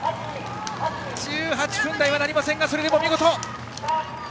１８分台はなりませんがそれでも見事！